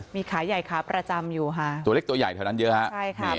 มีขายใหญ่ครับประจำอยู่ค่ะตัวเล็กตัวใหญ่เท่านั้นเยอะครับ